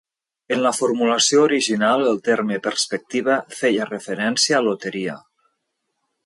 En la formulació original, el terme "perspectiva" feia referència a loteria.